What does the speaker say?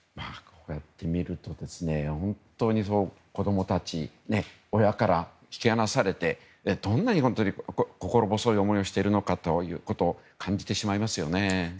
こうやって見ると本当に子供たち親から引き離されてどんなに心細い思いをしたのかということを感じてしまいますよね。